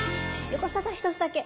横澤さん１つだけ。